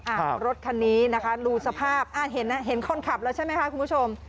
รถคันนี้นะคะดูสภาพอ่าเห็นอ่ะเห็นคนขับแล้วใช่ไหมคะคุณผู้ชม